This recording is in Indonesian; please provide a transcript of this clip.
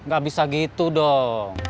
gak bisa gitu dong